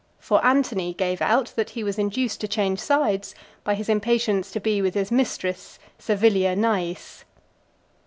For Antony gave out, that he was induced to change sides by his impatience to be with his mistress, Servilia Nais.